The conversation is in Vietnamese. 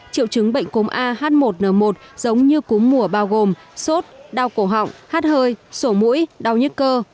triệu chứng bệnh cúm a h một n một giống như cúm mùa bao gồm sốt đau cổ họng hắt hơi sổ mũi đau nhức cơ